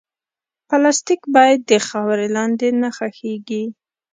پلاستيک باید د خاورې لاندې نه ښخېږي.